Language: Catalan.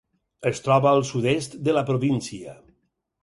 Es troba al sud-est de la província.